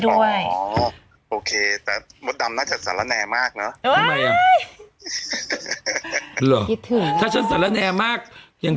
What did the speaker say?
อยู่กับพี่มดแล้วก็น้องมิ้นแล้วก็รถเมค่า